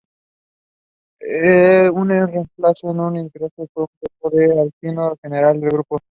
Un reemplazo de un hidrógeno por un grupo alquilo genera al grupo aldehído.